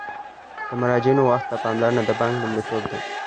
د مراجعینو وخت ته پاملرنه د بانک لومړیتوب دی.